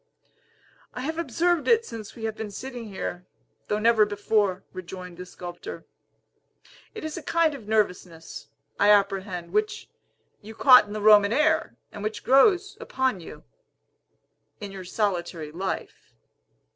"I have observed it since we have been sitting here, though never before," rejoined the sculptor. "It is a kind of nervousness, I apprehend, which, you caught in the Roman air, and which grows upon you, in your solitary life.